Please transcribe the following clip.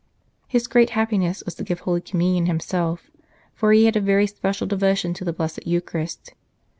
His great happiness was to give Holy Com munion himself, for he had a very special devotion to the Blessed Eucharist.